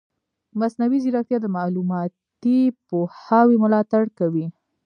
مصنوعي ځیرکتیا د معلوماتي پوهاوي ملاتړ کوي.